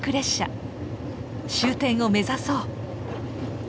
終点を目指そう。